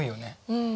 うん。